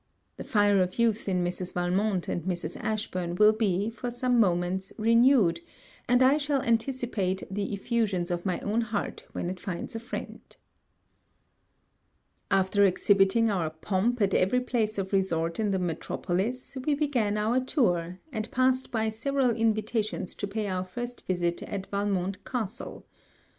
The fire of youth in Mrs. Valmont and Mrs. Ashburn will be, for some moments, renewed; and I shall anticipate the effusions of my own heart when it finds a friend. After exhibiting our pomp at every place of resort in the metropolis, we began our tour; and passed by several invitations to pay our first visit at Valmont castle.